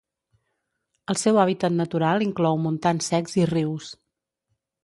El seu hàbitat natural inclou montans secs i rius.